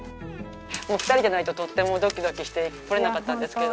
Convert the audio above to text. もう２人でないととってもドキドキして来れなかったんですけど。